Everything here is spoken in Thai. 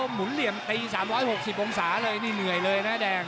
หมุนเหลี่ยมตี๓๖๐องศาเลยนี่เหนื่อยเลยนะแดง